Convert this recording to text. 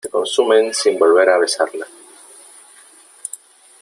se consumen sin volver a besarla .